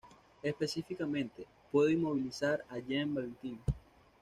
Específicamente, pudo inmovilizar a Jan Valentine.